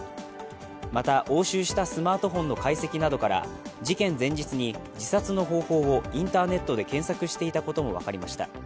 また、押収したスマートフォンなどの解析から、事件前日に自殺の方法をインターネットで検索していたことも分かりました。